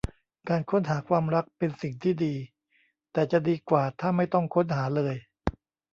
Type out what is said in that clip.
การค้นหาความรักเป็นสิ่งที่ดี แต่จะดีกว่าถ้าไม่ต้องค้นหาเลย